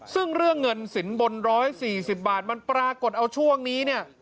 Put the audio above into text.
ซึ่งเรื่องเงินสินบน๑๔๐บาทมันปรากฏเอาช่วงนี้เนี่ย